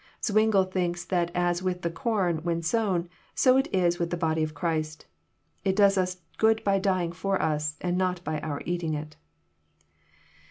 Zwingle thinks that as with the com, when sown, so it Is with the body of Christ. It does us good by dying for us, and not by our eating it.